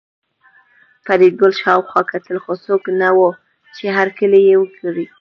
فریدګل شاوخوا کتل خو څوک نه وو چې هرکلی یې وکړي